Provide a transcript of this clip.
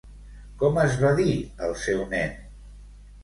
Com es va dir el seu nen?